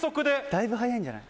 だいぶ速いんじゃない？